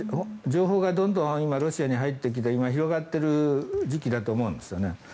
情報がどんどん今ロシアに入ってきて今、広がっている時期だと思うんですね。